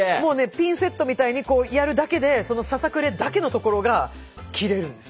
ピンセットみたいにやるだけでささくれだけのところが切れるんです。